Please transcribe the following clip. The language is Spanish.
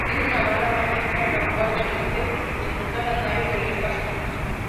Tiene una vara mágica, la cual permite impulsar la nave por el espacio.